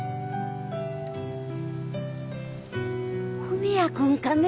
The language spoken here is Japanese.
文也君かね？